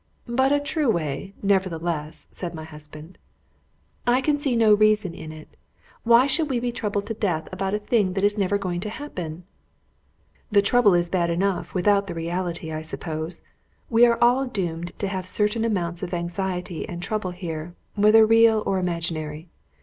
"But a true way, nevertheless," said my husband. "I can see no reason in it. Why should we be troubled to death about a thing that is never going to happen?" "The trouble is bad enough, without the reality, I suppose. We are all doomed to have a certain amount of anxiety and trouble here, whether real or imaginary.